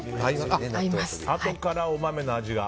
あとからお豆の味が！